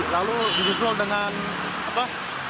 lalu disusul dengan apa